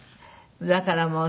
だからもう。